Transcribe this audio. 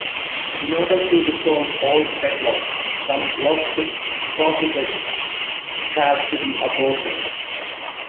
In order to resolve all deadlocks, some blocked processes have to be aborted.